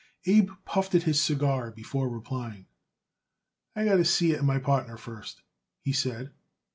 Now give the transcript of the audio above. Abe puffed at his cigar before replying. "I got to see it my partner first," he said.